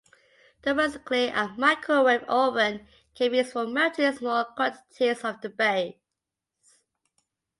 Domestically, a microwave oven can be used for melting small quantities of the base.